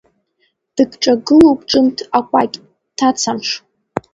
Дыкҿагылоуп ҿымҭ акәакь, ҭацамш!